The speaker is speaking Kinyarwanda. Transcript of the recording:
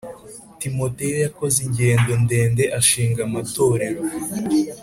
Timoteyo yakoze ingendo ndende ashinga amatorero